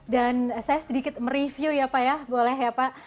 dan saya sedikit mereview ya pak ya boleh ya pak